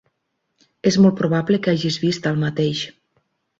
És molt probable que hagis vist el mateix.